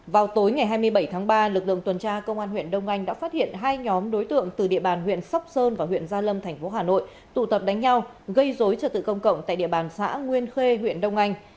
vào tối ngày hai mươi bảy tháng ba lực lượng tuần tra công an huyện đông anh đã phát hiện hai nhóm đối tượng từ địa bàn huyện sóc sơn và huyện gia lâm thành phố hà nội tụ tập đánh nhau gây dối trật tự công cộng tại địa bàn xã nguyên khê huyện đông anh